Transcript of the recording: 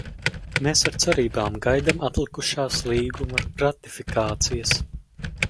Mēs ar cerībām gaidām atlikušās līguma ratifikācijas.